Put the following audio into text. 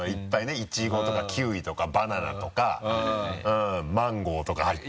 イチゴとかキウイとかバナナとかマンゴーとか入った。